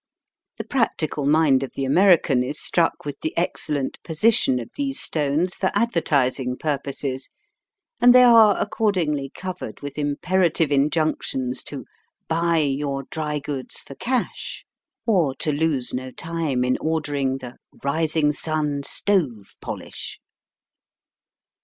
The practical mind of the American is struck with the excellent position of these stones for Digitized by VjOOQIC 26 EAST BY WEST, advertising purposes, and they are accordingly covered with imperative injunctions to " Buy your Dry Goods for Cash," or to lose no time in ordering the " Eising Sun Stove Polish."